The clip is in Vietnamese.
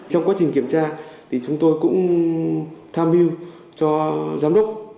trong quá trình kiểm tra thì chúng tôi cũng tham mưu cho giám đốc